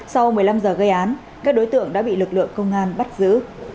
sau một mươi năm giờ gây án các đối tượng đã bị lực lượng công an bắt giữ